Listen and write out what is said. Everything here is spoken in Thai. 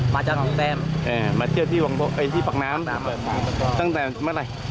มาจากน้องแป้มเอ่อมาเที่ยวที่วางโป๊ะเอ่ยที่ปากน้ำตั้งแต่เมื่อไหร่